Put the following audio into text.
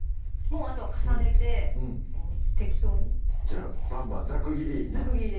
もうあとは重ねて適当にじゃあバンバンざく切り？